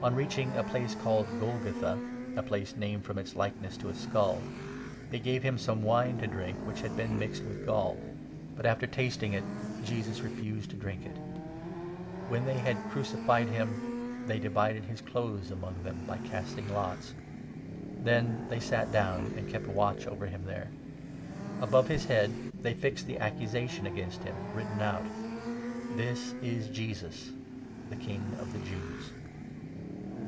On reaching a place 33 named Golgotha (a place named from its likeness to a skull), they gave him some wine to drink which had been mixed with 34 gall ; but, after tasting it, Jesus refused to drink it. When 35 they had crucified him, they divided his clothes among them by casting lots. Then they sat down, and kept watch over 36 him there. Above his head they fixed the accusation against 37 him written out — 'THIS IS JESUS THE KING OF THE JEWS.'